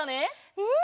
うん！